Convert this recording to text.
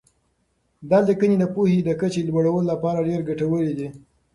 دا لیکنې د پوهې د کچې د لوړولو لپاره ډېر ګټورې دي.